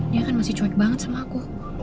dia kan masih cuek banget sama aku